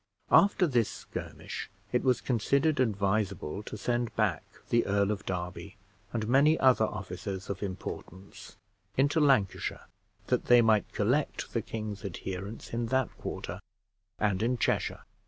After this skirmish it was considered advisable to send back the Earl of Derby and many other officers of importance into Lancashire, that they might collect the king's adherents in that quarter and in Cheshire.